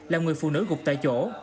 là người phụ nữ gục tại chỗ